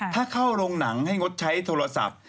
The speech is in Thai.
ถ้าเข้าโรงหนังให้งดใช้โทรศัพท์